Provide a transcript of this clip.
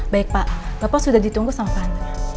baik pak bapak sudah ditunggu sama pak